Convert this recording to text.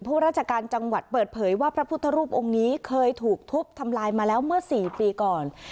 ผู้ราชการจังหวัดเปิดเผยว่าพระพุทธรูปองค์นี้เคยถูกทุบทำลายมาแล้วเมื่อ๔ปีก่อน